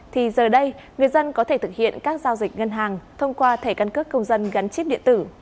thì giờ đây người dân có thể thực hiện các giao dịch ngân hàng thông qua thẻ căn cước công dân gắn chip điện tử